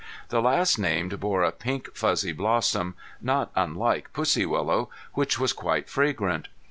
The last named bore a pink fuzzy blossom, not unlike pussy willow, which was quite fragrant.